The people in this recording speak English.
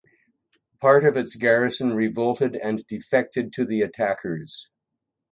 Part of its garrison revolted and defected to the attackers.